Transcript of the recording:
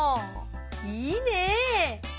いいね！